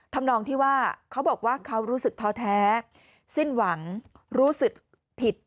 นองที่ว่าเขาบอกว่าเขารู้สึกท้อแท้สิ้นหวังรู้สึกผิด